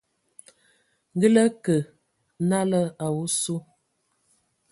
Ngǝ lǝ kǝ nalǝ a osu,